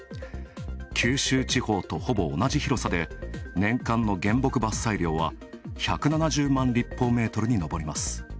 九州地方とほぼ同じ広さで年間の原木伐採量は、１７０万立方メートルにのぼります。